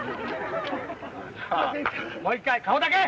もう１回顔だけ！